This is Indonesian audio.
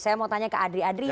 saya mau tanya ke adri adri